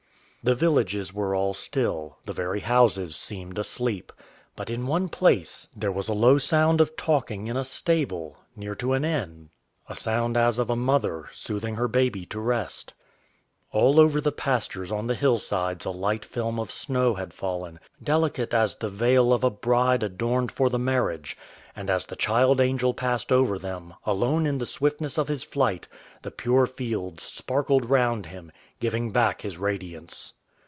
The villages were all still: the very houses seemed asleep; but in one place there was a low sound of talking in a stable, near to an inn a sound as of a mother soothing her baby to rest. All over the pastures on the hillsides a light film of snow had fallen, delicate as the veil of a bride adorned for the marriage; and as the child angel passed over them, alone in the swiftness of his flight, the pure fields sparkled round him, giving back his radiance.